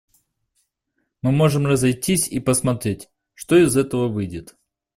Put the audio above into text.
Мы можем разойтись и посмотреть, что из этого выйдет.